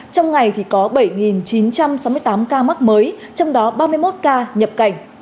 trong ngày có bảy chín trăm sáu mươi tám ca mắc mới trong đó ba mươi một ca nhập cảnh